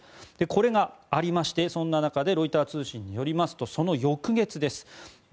これがありまして、そんな中でロイター通信によりますとその翌月です。